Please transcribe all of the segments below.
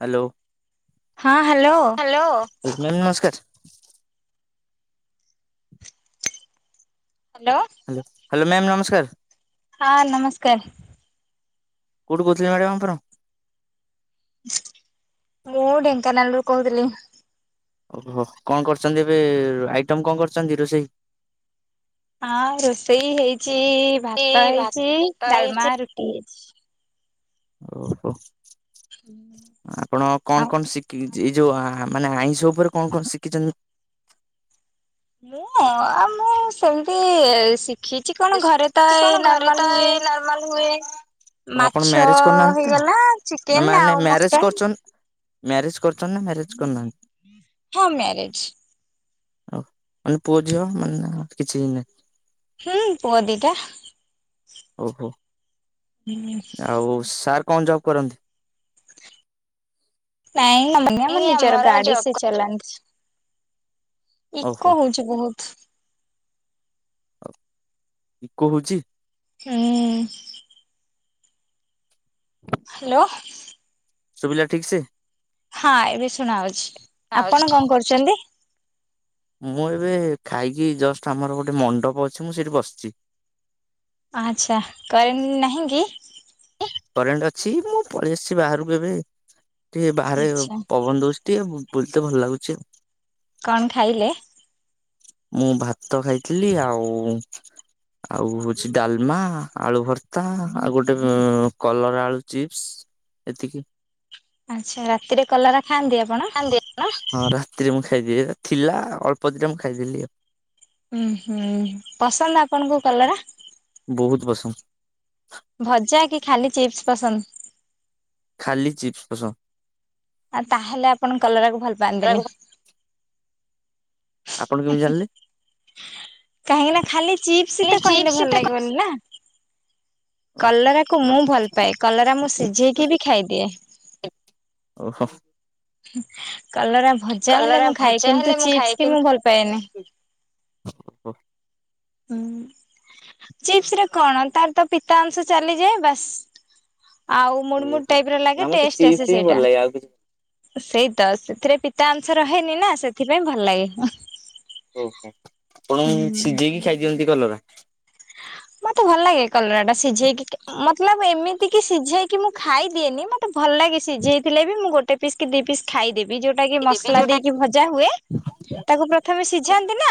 Hello. ହଁ hello. Hello ନମସ୍କାର। Hello. Hello hello ma'am ନମସ୍କାର। ହଁ ନମସ୍କାର। କୋଉଠୁ କହୁଥିଲେ ମ୍ୟାଡ଼ାମ୍ ଆପଣ? ମୁଁ ଢେଙ୍କାନାଳରୁ କହୁଥିଲି। ଓହୋ କଣ କରିଚନ୍ତି ଏବେ ଆଇଟମ କଣ କରିଚନ୍ତି ରୋଷେଇ? ହଁ ରୋଷେଇ ହେଇଚି ଭାତ ହେଇଚି ଡାଲମା ରୁଟି ହେଇଛି। ଓ ହୋ ଆପଣ ଆଉ କଣ-କଣ ଶିଖି ଏଇ ଯୋଉ ମାନେ ଆଇଁଷ ଉପରେ କଣ- କଣ ଶିଖିଛନ୍ତି? ମୁଁ ଆଉ ମୁଁ ସେମିତି ଶିଖିଛି କଣ ଘରେ ତ ଏଇ ନର୍ମାଲ ହୁଏ। ନର୍ମଲ ହୁଏ। ଓ ଆପଣ ମାଛ ମ୍ୟାରେଜ କରିନାହାନ୍ତି ତ ହେଇଗଲା ଚିକେନ ଆଉ ମଟନ। ମ୍ୟାରେେଜ୍ କରଛନ୍ତିନା ମ୍ୟାରେଜ୍ କରନ୍ଦନ୍ତି [unintelligible] ହଁ ମ୍ୟାରେଜ। ହଉ ମାନେ ପୁଅ ଝିଅ ମାନେ କିଛି ନାହିଁ। ହୁଁ ପୁଅ ଦିଇଟା। ଓହୋ। ହୁଁ। ଆଉ ସାର୍ କଣ ଜବ୍ କରନ୍ତି। ନାଇଁ ମ ମ ଏଇ ନିଜର ଆମର ଗାଡ଼ି ଜବ୍ ସେ ଚଲଣି। ଓହୋ ଇକ ହଉଛି ବହୁତ। ଇକ ହଉଛି। [unintelligible] ହ୍ୟାଲୋ। ସୁବିଲା ଠିକ ସେ ହଁ ଏବେ ଶୁଣାଉଛି ଆପଣ କଣ କରୁଛନ୍ତି। ମୁଁ ଏବେ ଖାଇକି ଜଷ୍ଟ ଆମର ଗୋଟେ ମଣ୍ଡପ ଅଛି ମୁଁ ସେଇଠି ବସିଛି। ଆଚ୍ଛା କରେଣ୍ଡ ନାହିଁ କି। କରେଣ୍ଟ୍ ଅଛି, ମୁଁ ପଳେଇ ଆସିଛି ବାହାରକୁ ଏବେ, ଟିକେ ବାହାରେ ଆଚ୍ଛା ପବନ ଦଉଛି। ଟିକେ ବୁଲ୍ ବୁଲତେ ଭଲ ଲାଗୁଛି ଆଉ। କଣ ଖାଇଲେ? ମୁଁ ଭାତ ଖାଇଥିଲି ଆଉ ଆଉ ହଉଛି ଡାଲମା, ଆଳୁ ଭର୍ତ୍ତା, ଆଉ ଗୋଟେ କଲରା ଆଳୁ ଚିପ୍ସ। ଏତିକି। ଆଚ୍ଛା ରାତିରେ କଲରା ଖାଆନ୍ତି ଆପଣ? [unintelligible] ହଁ ରାତିରେ ମୁଁ ଖାଇଦିଏ, ଥିଲା ଅଳ୍ପ ଦିଟା ମୁଁ ଖାଇଦେଲି ଆଉ। ଉଁ ହୁଁ, ପସନ୍ଦ ଆପଣଙ୍କୁ କଲରା? ବହୁତ ପସନ୍ଦ। ଭଜା କି ଖାଲି ଚିପ୍ସ ପସନ୍ଦ? ଖାଲି ଚିପ୍ସ ପସନ୍ଦ। ଆଉ ତାହେଲେ ଆପଣ କଲରାକୁ ଭଲ ପାଆନ୍ତିନି? ଆପଣ କେମିତି ହୁଁ-ହୁଁ, ଜାଣିଲେ? କାହିଁକି ନା ଖାଲି ଚିପ୍ସ ତ କହିଲେ ଚିପ୍ସ ତ ଭଲ ଲାଗିବନି ନା। କଲରାକୁ ଓହୋ ମୁଁ ଭଲ ପାଏ, କଲରା ମୁଁ ସିଝେଇକି ବି ଖାଇଦିଏ। ଓହୋଃ। ହୁଁ କଲରା ଭଜା ହେଲେ କଲରା ମୁଁ ଖାଏ ଭଜା ହେଲେ କିନ୍ତୁ ମୁଁ ଖାଏ ଚିପ୍ସ କି ମୁଁ ଭଲ ପାଏନି। ହୁଁ ଚିପ୍ସ୍ ରେ କଣ ତାର ତ ପିତା ଅଂଶ ଚାଲିଯାଏ ବାସ୍। ଆଉ ମୁଡ ମୁଡ ଟାଇପ୍ ର ନା ଲାଗେ ମତେ ଟେଷ୍ଟ ଚିପ୍ସ ଆସେ ହିଁ ଭଲ ସେଇଟା। ଲାଗେ ଆଉ ସେଇ ତ ସେଥିରେ ପିତା ଅଂସ ରହେନି ନା ସେଥିପାଇଁ ଭଲ ଲାଗେ। ଓହୋ ଆପଣ ସିଝେଇକି ଖାଇଦିଅନ୍ତି କଲରା? ହଁ ମୋତେ ଭଲ ଲାଗେ କଲରା ଟା ସିଝେଇକି ମତଲବ ଏମିତି କି ସିଝେଇକି ମୁଁ ଖାଇଦିଏନି। ମୋ ତ ଭଲ ଲାଗେ ସିଝେଇ ଥିଲେ ବି ମୁଁ ଗୋଟେ ପିସ୍ କି ଦି ପିସ୍ ଖାଇଦେବି। ଯୋଉ ଟାକି ଦେବି ମସଲା ଯୋଉଟା ଦେଇକି ଭଜା ହୁଏ। ତାକୁ ପ୍ରଥମେ ସିଝାନ୍ତି କି ନା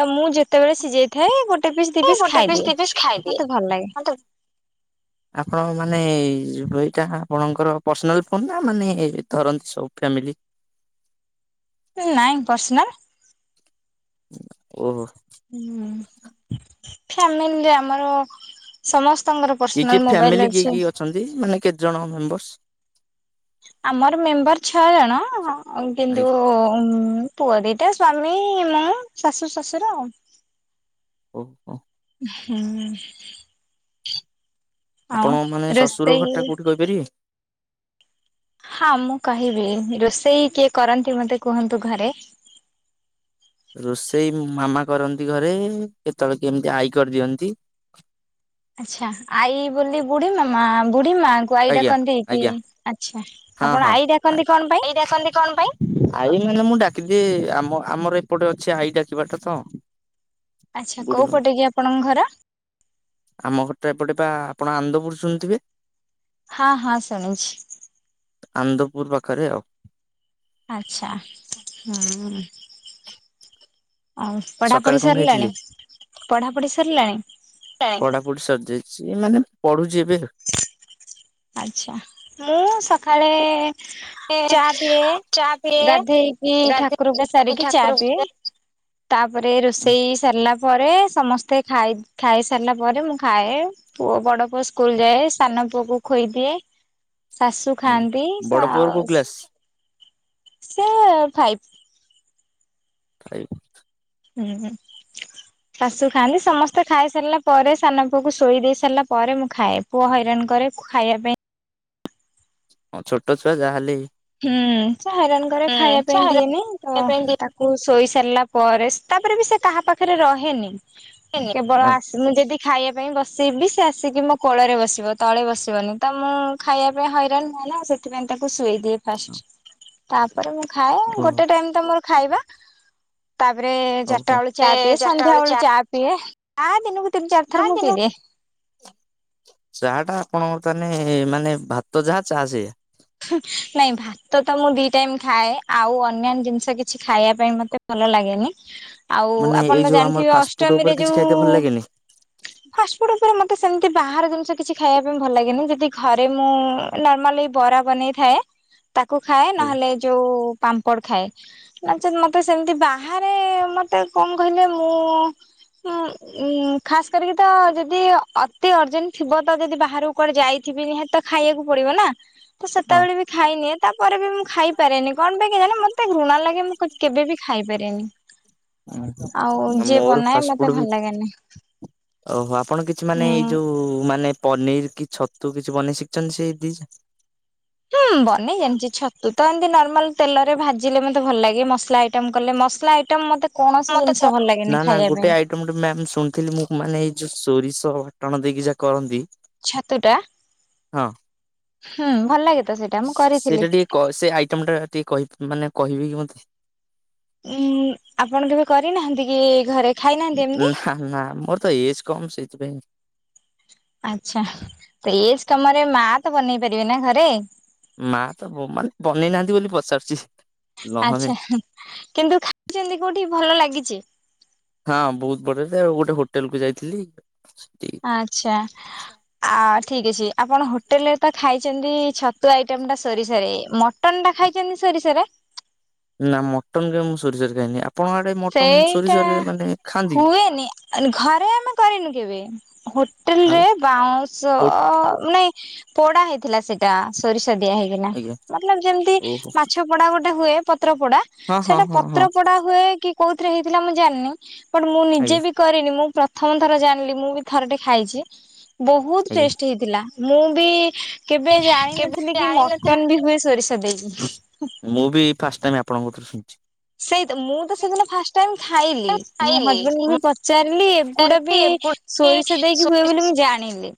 ତ ମୁଁ ଯେତେବେଳେ ସିଝେଇ ଥାଏ ଗୋଟେ ପିସ୍ ଦି ଗୋଟେ ଖାଇ ପିସ୍ ଦିଏ। ଦି ପିସ୍ ଖାଇଦିଏ ମୋତେ ଭଲ ଲାଗେ। ମତେ ଆପଣ ମାନେ ଏଇଟା ଆପଣଙ୍କର ପର୍ସନାଲ୍ ଫୋନ୍ ନା ମାନେ ଧରନ୍ତି ସବୁ ଫ୍ୟାମିଲି? ଏ ନାଇଁ ପର୍ସନାଲ୍। ଓହୋ। ନା ଫେମିଲି ଆମର ସମସ୍ତଙ୍କର କିଏ କିଏ ପର୍ସନାଲ୍ ମୋବାଇଲ୍ ଫ୍ୟାମିଲି କିଏ ଅଛି। କିଏ ଅଛନ୍ତି ମାନେ କେତେ ଜଣ ମେମ୍ବର୍ସ? ଆମର ମେମ୍ବର୍ ଛଅ ଜଣ ଅ, ଆଇ କିନ୍ତୁ ଉଁ, ପୁଅ ଦିଟା, ସ୍ଵାମୀ, ମୁଁ, ଶାଶୁ ଶଶୁର। ଓ ହୋ। ହୁଁ। ଆଉ ଆପଣ ମାନେ ଶଶୁର ରୋଷେଇ ଘରଟା କୋଉଠି କହିପାରିବେ? ହଁ ମୁଁ କହିବି ରୋଷେଇ କିଏ କରନ୍ତି ମୋତେ କୁହନ୍ତୁ ଘରେ? ରୋଷେଇ ମାମା କରନ୍ତି ଘରେ କେତେବେଳେ କେମିତି ଆଈ କରିଦିଅନ୍ତି। ଆଚ୍ଛା ଆଈ ବୋଲି ବୁଢୀ ମାମା ବୁଢୀ ମା କୁ ଆଈ ଆଜ୍ଞା ଡାକନ୍ତି କି ଆଜ୍ଞା। ଆଚ୍ଛା ଆପଣ ଆଈ ଡାକନ୍ତି କଣ ପାଇଁ? ଦେଖନ୍ତି କଣ ପାଇଁ? ଆଈ ମାନେ ମୁଁ ଡାକିଦିଏ ଆମ ଆମର ଏପଟେ ଅଛି ଆଈ ଡାକିବାଟା ତ। ଆଚ୍ଛା ବୁଢୀ କୋଉ ମା ପଟେ କି ଆପଣଙ୍କ ଘର? ଆମ ଘର ଏପଟେ ବା ଆପଣ ଆନ୍ଦପୁର ଶୁଣିୁଥିବେ? ହଁ ହଁ ଶୁଣିଛି। ଆନ୍ଦପୁର ପାଖରେ ଆଉ। ଆଚ୍ଛା, ହୁଁ। ଆଉ ସକାଳେ ପଢାପଢି କଣ ସରିଲାଣି, ଖାଇଥିଲି ପଢା ପଢି ସରିଲାଣି? ପଢାପଢି ସରିଯାଇଛି ଏ ମାନେ ପଢୁଚି ଏବେ। ଆଚ୍ଛା ମୁଁ ସଖାଳେ ଏ ଚା ପିଏ, ଚା ପିଏ ଗାଧେଇକି ଗାଧେ ଠାକୁର ପୂଜା ସାରିକି ଚା ଠାକୁର ପିଏ। ପୂଜା ତାପରେ ରୋଷେଇ ସରିଲା ପରେ ସମସ୍ତେ ଖାଇ ଖାଇସାରିଲା ପରେ ମୁଁ ଖାଏ। ପୁଅ, ବଡ ପୁଅ ସ୍କୁଲ୍ ଯାଏ। ସାନ ପୁଅ କୁ ଖୋଇଦିଏ। ଶାଶୁ ଆଜ୍ଞା ଖାଆନ୍ତି। ବଡ ପୁଅର କୋଉ କ୍ଲାସ ଶାଶ ସେ ଫାଇଭ୍। ଖାଇ ହୁଁ। ଶାଶୁ ଖାଆନ୍ତି ସମସ୍ତେ ଖାଇସାରିଲା ପରେ ସାନ ପୁଅକୁ ଶୋଇ ଦେଇ ସାରିଲା ପରେ ମୁଁ ଖାଏ। ପୁଅ ହଇରାଣ କରେ ଖାଇବା ପାଇଁ। ହଁ ଛୋଟ ଛୁଆ ଯାହା ହେଲେ ବି। ହୁଁ, ସେ ହଇରାଣ କରେ ଖାଇବା ପାଇଁ ଚାହା ହେରିକା ଦିଏନି। ତ ପିଇବା ପାଇଁ ତା କୁ ଶୋଇ ସାରିଲା ପରେ ତାପରେ ବି ସେ କାହା ପାଖରେ ରହେନି। ଦିଏନି। କେବଳ ଓ ଆସ ମୁଁ ଯଦି ଖାଇବା ପାଇଁ ବସିବି ସେ ଆସିକି ମୋ କୋଳରେ ବସିବ ତଳେ ବସିବନି। ତ ମୁଁ ଖାଇବା ପାଇଁ ହଇରାଣ ହୁଏନା। ସେଥିପାଇଁ ତାକୁ ଶୁଏଇଦି ଫାଷ୍ଟ, ତାପରେ ମୁଁ ଖାଏ ଓହୋ ଗୋଟେ ଟାଇମ୍ ତ ମୋର ଖାଇବା। ତାପରେ ହଉ ହଉ। ଚାଟାବେଳୁ ଏ ଚା ପିଏ ଚାରିଟା ବେଳେ ସନ୍ଧ୍ୟାବେଳୁ ଚା ପିଏ ଆ ଦିନକୁ ତିନି ଚାରି ଥର ମୁଁ ଦିନେ ପିଇଦିଏ। ଚାହା ଟା ଆପଣଙ୍କର ତାହେ ମାନେ ଭାତ ଯାହା ଚା ସେୟା। ନାଇଁ ଭାତ ତ ମୁଁ ଦି ଟାଇମ ଖାଏ ଆଉ ଅନ୍ୟାନ୍ୟ ଜିନିଷ କିଛି ଖାଇବା ପାଇଁ ମତେ ଭଲ ଲାଗେନି। ଆଉ ମାନେ ଆପଣ ଏଇ ତ ଯୋଉ ଆମର ଜାଣିଥିବେ ଫାଷ୍ଟଫୁଡ୍ ଉପରେ ଅଷ୍ଟମୀରେ କିଛି ଯୋଉ ଖାଇତେ ଭଲ ଲାଗେନି ଫାଷ୍ଟ ଫୁଡୁ ଉପରେ ମୋତେ ସେମିତି ବାହାର ଜିନିଷ କିଛି ଖାଇବାକୁ ଭଲ ଲାଗେନି ଯଦି ଘରେ ମୁଁ ନର୍ମାଲି ବରା ବନେଇଥାଏ ତାକୁ ଖାଏ ଆଜ୍ଞା ନହେଲେ ଯୋଉ ପାମ୍ପଡ ଖାଏ। ନଚେତ୍ ମତେ ସେମିତି ବାହାରେ ମତେ କଣ କହିଲେ ମୁଁ ଉଁ ଖାସ କରିକି ତ ଯଦି ଅତି ଅର୍ଜେଣ୍ଟ ଥିବ ତ ଯଦି ବାହାରକୁ କୁଆଡେ ଯାଇଥିବି ନିହାତ ଖାଇବାକୁ ପଡିବ ନା ତ ହଁ। ସେତେବେଳେ ବି ଖାଇନିଏ ତାପରେ ବି ମୁଁ ଖାଇ ଖପାରେନି କଣ ପାଇଁ କେୟାଣୀ ମତେ ଘୃଣା ଲାଗେ ମୁଁ କେବେ ବି ଖାଇପାରେନି। ଆଉ ଯିଏ ମୋର ବନାଏ ଫାଷ୍ଟଫୁଡ୍ ମତେ ବି ଭଲ ଲାଗେନି। ଓହୋ ଆପଣ କିଛି ମାନେ ହୁଁ। ଏଇ ଯୋଉ ମାନେ ପନିର କି ଛତୁ କିଛି ବନେଇ ଶିଖଛନ୍ତି ସେ ଦିସ? ହୁଁ ବନେଇ ଜାଣିଚି ଛତୁ ତ ଏମିତି ନର୍ମାଲ ତେଲରେ ଭାଜିଲେ ମତେ ଭଲ ଲାଗେ ମସଲା। ଆଇଟମ୍ କଲେ ମସଲା ଆଇଟମ୍ ମୋତେ କୌଣସି ଜିନିଷ ଭଲ ଲାଗେନି ଖାଇବା ପାଇଁ। ମୁଁ ଗୋଟେ ମ୍ୟାମ ଶୁଣିଥିଲି ମୁଁ ମାନେ ଏଇ ଯୋଉ ସୋରିଷ ବାଟଣ ଦେଇକି ଯାହା କରନ୍ତି। ଛତୁଟା। ହଁ। ହୁଁ ଭଲ ଲାଗେ ତ ସେଇଟା ମୁଁ ସେଇଟା କରିଥିଲି। ଟିକେ କ ସେ ଆଇଟମ ଟା ଟିକେ ମାନେ କହିବେ କି ମୋତେ? ଉଁ ଆପଣ କେବେ କରିନାହାନ୍ତି କି ଘରେ ଖାଇନାହାନ୍ତି ଏମିତି? ନା ନା ମୋର ତ ଏଜ କମ ସେ- ଥିପାଇଁ ଆଚ୍ଛା ତ ଏଜ କାମରେ ମା ତ ବନେଇ ପାରିବେ ନା ଘରେ? ମା ତ ମାନେ ବନେଇ ନାହାନ୍ତି ବୋଲି ପଚାରୁଛି? ନହେଲେ ଆଚ୍ଛା କିନ୍ତୁ ଖାଇଛନ୍ତି କୋଉଠି ଭଲ ଲାଗିଛି? ହଁ ବହୁତ ବଡରେ ଆଉ ଗୋଟେ ହୋଟେଲକୁ ଯାଇଥିଲି ସେଠି ଆଚ୍ଛା। ଆ ଠିକ ଅଛି ଆପଣ ହୋଟେଲରେ ତ ଖାଇଛନ୍ତି ଛତୁ ଆଇଟମ ଟା ସେଠି ସୋରିଷରେ ମ ମଟନଟା ଖାଇଛନ୍ତି ସରିଷରେ? ନା ମଟନ କେବେ ମୁଁ ସୋରିଷରେ ଖାଇନି ଆପଣଙ୍କ ଆଡେ ମଟନ୍ ସେଇଟା ସୋରିଷରରେ ମାନେ ଖାଆନ୍ତି କି? ହୁଏନି ଘରେ ଆମେ କରିନୁ କେବେ ହୋଟେଲରେ ଆଉ ବାଉଁଶ କୋଉଠି ଅ ନାଇ ପୋଡା ହେଇଥିଲା ସେଇଟା ସୋରିଷ ଦିଆ ହେଇକିନା ଆଜ୍ଞା ମତଲବ୍ ଯେମିତି ଓହୋ ମାଛ ପୋଡା ଗୋଟେ ହୁଏ ପତ୍ର ପୋଡା ହଁ ହଁ ସେଟା ହଁ ହଁ ପତ୍ର ପୋଡା ହୁଏ କି କୋଉଥିରେ ହେଇଥିଲା ମୁଁ ଜାଣିନି ବଟ ମୁଁ ନିଜେ ଆଜ୍ଞା ବି କରିନି ମୁଁ ପ୍ରଥମ ଥର ଜାଣିଲି ମୁଁ ବି ଥରେ ଖାଇଛି ବହୁତ ଆଜ୍ଞା। ଟେଷ୍ଟ ହେଇ ଥିଲା ମୁଁ ବି କେବେ ଜାଣି କେବେ ନଥିଲି କି ଜାଣିନଥିଲି। ମଟନ ବି ହୁଏ ସୋରିଷ ଦେଇକି। ମୁଁ ବି ଫାଷ୍ଟ ଟାଇମ ଆପଣଙ୍କଠୁ ଶୁଣୁଛି। ସେଇତ ମୁଁ ତ ସେଦିନ ସେଇଟା ଫାଷ୍ଟ ଟାଇମ୍ ଖାଇଲି ମୋ ହଜବେଣ୍ଡଙ୍କୁ ବି ପଚାରିଲି ମଟନ ଏଗୁଡା ବି ଗୋଟେ ସୋରିଷ ଦେଇକି ହୁଏ ସୋରିଷ ବୋଲି ମୁଁ ଜାଣିଲି।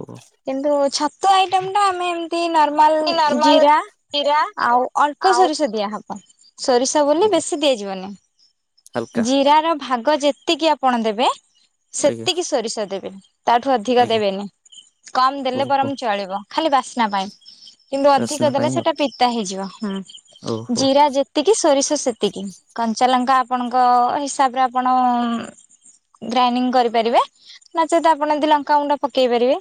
ଓହୋ। କିନ୍ତୁ ଛତୁ ଆଇଟମ ଟା ଆମେ- ତି ନର୍ମାଲ ନର୍ମାଲ ଜିରା ଜିରା ଆଉ ଅଳ୍ପ ଆଉ ସୋରିଷ ଦିଆହବ। ସୋରିଷ ବୋଲି ଆଜ୍ଞା ବେଶୀ ଦେଇଯିବନି ହାଲକା ଜିରା ର ଭାଗ ଯେତିକି ଆପଣ ଦେବେ ଆଜ୍ଞା ସେତିକି ସୋରିଷ ଦେବେ ତାଠୁ ଅଧିକ ଆଜ୍ଞା ଦେବେନି। କମ୍ ଦେଲେ ଓହୋ ବରଂ ଚଳିବ ଖାଲି ବାସ୍ନା ପାଇଁ। କିନ୍ତୁ ଅଧିକ ବାସ୍ନା ଦେଲେ ପାଇଁ ଆଉ ସେଟା ପିତା ହେଇଯିବ ହୁଁ ଓହୋ। ଜିରା ଯେ ସେତିକି ସୋରିଷ ସେତିକି କଞ୍ଚା ଲଙ୍କା ଆପଣଙ୍କ ହିସାବରେ ଆପଣ ଗ୍ରାଇଣ୍ଡିଙ୍ଗ କରିପାରିବେ ନଚେତ ଆପଣ ଯଦି ଲଙ୍କା ଗୁଣ୍ଡ ପକେଇ ପାରିବେ।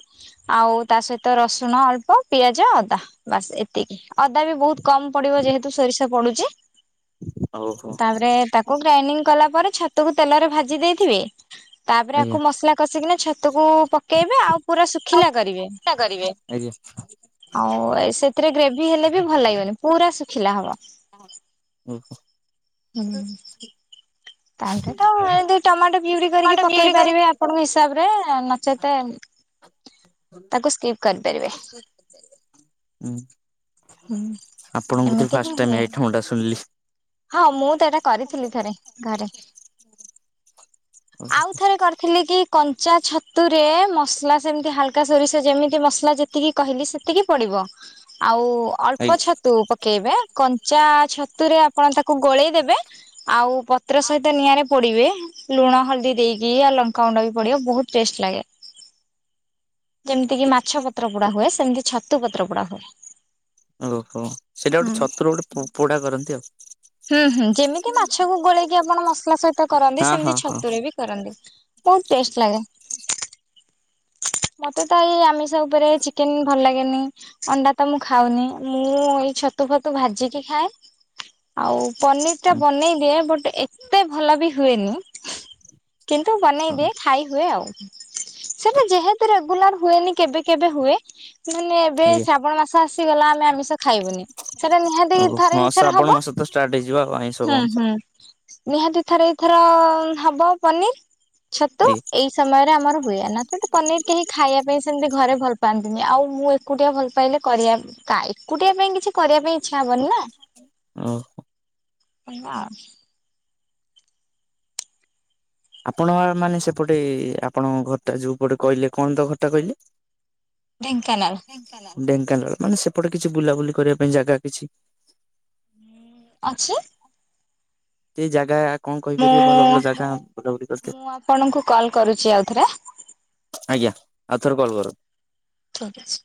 ଆଉ ତା ସହିତ ରସୁଣ ଅଳ୍ପ ପିଆଜ ଅଦା ବାସ୍ ଏତିକି। ଅଦା ବି ବହୁତ କମ ପଡିବ ଯେହେତୁ ସୋରିଷ ପଡୁଛି ଓହୋ ତାପରେ ତାକୁ ଗ୍ରାଇଣ୍ଡିଙ୍ଗ କଲା ପରେ ଛତକୁ ତେଲରେ ଭାଜି ଦେଇଥିବେ ତାପରେ ଆଜ୍ଞା ଆକୁ ମସଲା କସିକିନା ଛତକୁ ପକେଇବେ ଆଉ ପୁରା ଶୁଖିଲା କରିବେ। ଟା କରିବେ ଆଉ ସେଥିରେ ଗ୍ରେଭି ହେଲେ ବି ଭଲ ଲାଗିବନି ପୁରା ଶୁଖିଲା ହବ ଓହୋ [unintelligible] [unintelligible] ଏମିତି ଟମାଟୋ ପିଉରି କରିକି ଟମାଟୋ ପକେଇ ପ୍ୟୁରି ପାରିବେ କରିବେ। ଆପଣଙ୍କ ହିସାବରେ ନଚେତ ତାକୁ ସ୍କିପ୍ କରିପାରିବେ ହୁଁ ହୁଁ ଆପଣଙ୍କ କତୁରୁ ଏମିତି ହିଁ ଫାଷ୍ଟ ହୁଏ। ଟାଇମ୍ ଆଇଟମଟା ଶୁଣିଲି ହଁ ମୁଁ ତ ଏଟା କରିଥିଲି ଥରେ ଘରେ ଓହୋ ଆଉ ଥରେ କରିଥିଲି କି କଞ୍ଚା ଛତୁରେ ମସଲା ସେମିତି ହାଲକା ସୋରିଷ ଯେମିତି ମସଲା ଯେତିକି କହିଲି ସେତିକି ପଡିବ ଆଉ ଏଇ ଅଳ୍ପ ଛ ତୁ ପକେଇବେ କଞ୍ଚା ଛତୁରେ ଆପଣ ତାକୁ ଗୋଳେଇ ଦେବେ ଆଉ ପତ୍ର ସହିତ ନିଆଁରେ ପୋଡିବେ ଲୁଣ ହଳଦୀ ଦେଇକି ଆଉ ଲଙ୍କାୁଗୁଣ୍ଡ ବି ପଡିବ ବହୁତ ଟେଷ୍ଟ ଲାଗେ। ଯେମିତି କିି ମାଛ ପତ୍ର ପୁଡା ହୁଏ ସେମିତି ଛତୁ ପତ୍ର ପୁଡା ହୁଏ। ଓହୋ ସେଇଟା ହୁଁ ଗୋଟେ ଛତୁର ଗୋଟେ ପୋ ପୋଡା କରନ୍ତି ଆଉ ହୁଁ ହୁଁ ଯେମିତି ମାଛକୁ ଗୋଳେଇକି ଆପଣ ମସଲା ସହିତ କରନ୍ତି ସେମିତି ହଁ ହଁ ଛତୁରେ ବି ବି କରନ୍ତି ବହୁତ ଟେଷ୍ଟ ଲାଗେ ମତେ ତ ଏଇ ଆମିଷ ଉପରେ ଚିକେନ ଭଲ ଲାଗେନି ଅଣ୍ଡା ତ ମୁଁ ଖାଉନି ମୁଁ ଏଇ ଛତୁ ଫତୁ ଭାଜିକି ଖାଏ ଆଉ ପନିର ଟା ହଁ ହୁଁ ବନେଇ ଦିଏ ବଟ ଏ ଏତେ ଭଲ ବି ହୁଏନି କିନ୍ତୁ ହଁ। ବନେଇଦିଏ ଖାଇ ହୁଏ ଆଉ ସେଟା ଯେହେତୁ ରେଗୁଲାର ହୁଏନି କେବେ କେବେ ହୁଏ ମାନେ ଏବେ ଆଜ୍ଞା ଶ୍ରାବଣ ମାସ ଆସିଗଲା ଆମେ ଆମିଷ ଖାଇବୁନି ସେଇଟା ନିହାତି ଓ ଥରେ ହଁ ଦିଥର ଶ୍ରାବଣ ହବ ମାସ ତ ଷ୍ଟାର୍ଟ ହେଇଯିବ ଆଉ ଆଇଁଷ ହୁଁ ବନ୍ଦ ହୁଁ ନିହାତି ଥରେଇଥର ହବ ପନିର ଛତୁ ଆଜ୍ଞା ଏଇ ସମୟରେ ଆମର ହୁଏ ନଚେତ ପନିର କେହି ଖାଇବା ପାଇଁ ସେମିତି ଘରେ ଭଲ ପାଆନ୍ତିନି ଆଉ ମୁଁ ଏକୁଟିଆ ଭଲ ପାଇଲେ କରିବା କାଏ ଏକୁଟିଆ ପାଇଁ କିଛି କରିବା ପାଇଁ ଇଚ୍ଛା ହବନି ନା। ଓଉ ଟିଙ୍ଗା ଆପଣ ମାନେ ସେପଟେ ଆପଣଙ୍କ ଘରଟା ଯୋଉପଟେ କହିଲେ କଣ ତ ଘରଟା କହିଲେ ଢେଙ୍କାନାଳ ଢେଙ୍କାନାଳ ମାନେ ସେପଟେ କିଛି ବୁଲାବୁଲି କରିବା ପାଇଁ ଜାଗା କିଛି ଅଛି। ସେ ଜାଗା କଣ ମୁଁ କହିପାରିବେ ଭଲ ଭଲ ଜାଗା ବୁଲାବୁଲି କରିତେ ମୁଁ ଆପଣଙ୍କୁ କଲ୍ କରୁଛି ଆଉଥରେ ଆଜ୍ଞା ଆଉ ଥରେ କଲ୍ କର ଠିକ ଅଛି